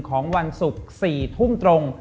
ของวันศุกร์๔ทุ่มตรง